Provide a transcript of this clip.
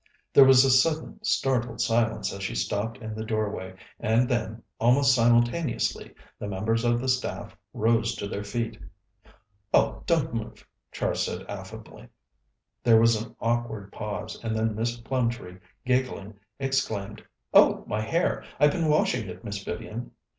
There was a sudden, startled silence as she stopped in the doorway, and then, almost simultaneously, the members of the staff rose to their feet. "Oh, don't move," Char said affably. There was an awkward pause, and then Miss Plumtree, giggling, exclaimed: "Oh, my hair! I've been washing it, Miss Vivian."